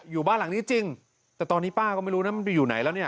อยู่บ้านหลังนี้จริงแต่ตอนนี้ป้าก็ไม่รู้นะมันไปอยู่ไหนแล้วเนี่ย